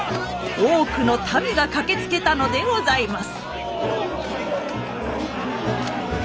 多くの民が駆けつけたのでございます。